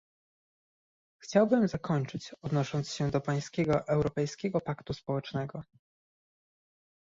Chciałbym zakończyć, odnosząc się do pańskiego europejskiego paktu społecznego